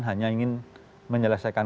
hanya ingin menyelesaikan